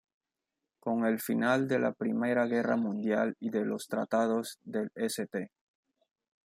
Con el final de la primera guerra mundial y de los tratados de St.